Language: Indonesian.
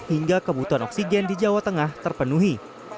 hingga kebutuhan oksigen di jawa tengah terpenuhi